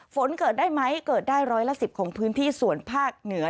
ฝนเกิดได้ไหมเกิดได้ร้อยละ๑๐ของพื้นที่ส่วนภาคเหนือ